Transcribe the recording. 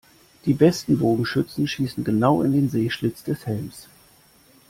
Die besten Bogenschützen schießen genau in den Sehschlitz des Helms.